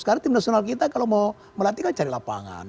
sekarang tim nasional kita kalau mau melatih kan cari lapangan